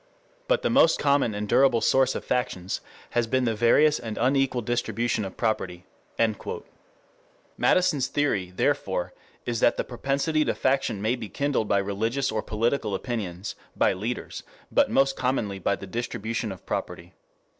But the most common and durable source of factions has been the various and unequal distribution of property." Madison's theory, therefore, is that the propensity to faction may be kindled by religious or political opinions, by leaders, but most commonly by the distribution of property.